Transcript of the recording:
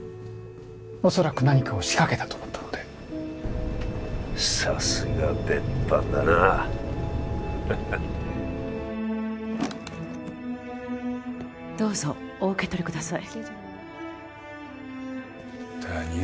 おそらく何かを仕掛けたと思ったのでさすが別班だなフフッどうぞお受け取りください